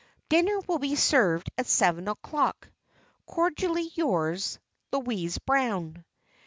Dinner will be served at seven o'clock. "Cordially yours, "Louise Brown."